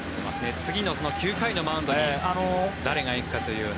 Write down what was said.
次の９回のマウンドに誰が行くかというような。